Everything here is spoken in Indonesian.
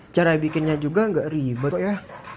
cara bikinnya juga enggak ribet kok ya